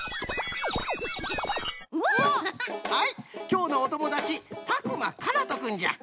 きょうのおともだちたくまかなとくんじゃ。